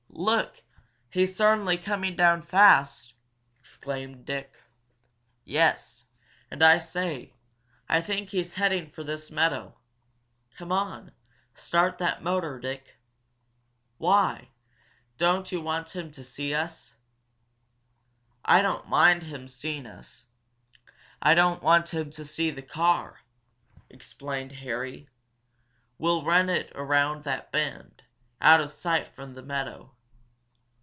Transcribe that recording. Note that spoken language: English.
"Look! He's certainly coming down fast!" exclaimed Dick. "Yes and, I say, I think he's heading for this meadow! Come on start that motor, Dick!" "Why? Don't you want him to see us?" "I don't mind him seeing us I don't want him to see the car," explained Harry. "We'll run it around that bend, out of sight from the meadow."